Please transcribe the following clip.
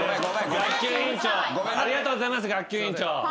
学級委員長。